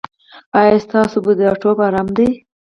ایا ستاسو بوډاتوب ارام دی؟